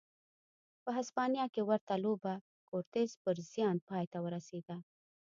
په هسپانیا کې ورته لوبه کورتس پر زیان پای ته ورسېده.